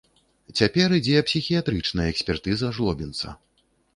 Цяпер ідзе псіхіятрычная экспертыза жлобінца.